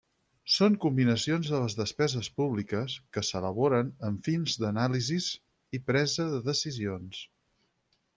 Són combinacions de les despeses públiques, que s'elaboren amb fins d'anàlisis i presa de decisions.